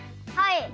はい。